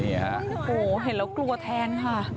โหเห็นแล้วกลัวแทนค่ะ